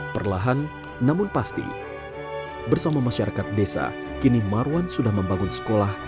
perlahan namun pasti bersama masyarakat desa kini marwan sudah membangun sekolah